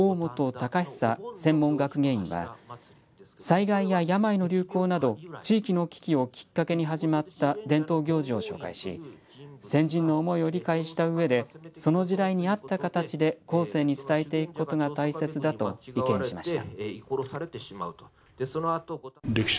敬久専門学芸員は災害や病の流行など地域の危機をきっかけに始まった伝統行事を紹介し先人の思いを理解したうえでその時代に合った形で後世に伝えていくことが大切だと意見しました。